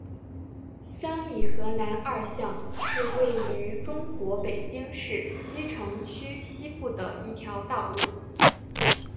三里河南二巷是位于中国北京市西城区西部的一条道路。